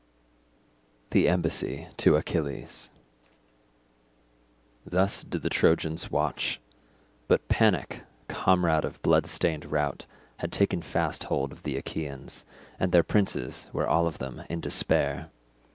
The Embassy to Achilles. Thus did the Trojans watch. But Panic, comrade of blood stained Rout, had taken fast hold of the Achaeans, and their princes were all of them in despair.